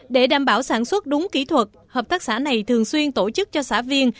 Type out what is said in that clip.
để đảm bảo sản xuất đúng kỹ thuật hợp tác xã này thường xuyên tổ chức cho xã viên